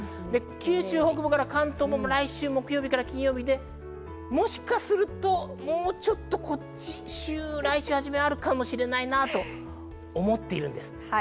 九州北部から関東は来週木曜日から金曜日で、もしかすると、もうちょっと、来週初めにあるかもしれないなと思っているんです。